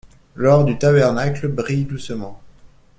L'or du tabernacle brille doucement.